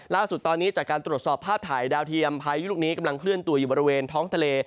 ล่าสุดตอนนี้จากการตรวจสอบภาพถ่ายดาวเทียมพายุลูกนี้กำลังเคลื่อนตัวอยู่บริเวณท้องทะเล